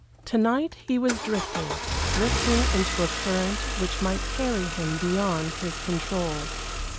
To night he was drifting drifting into a current which might carry him beyond his control.